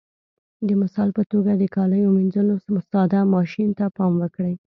د مثال په توګه د کاليو منځلو ساده ماشین ته پام وکړئ.